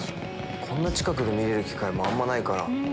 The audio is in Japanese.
こんな近くで見れる機会もあんまないから。